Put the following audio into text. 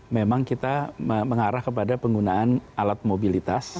memang kita mengarah kepada penggunaan alat mobilitas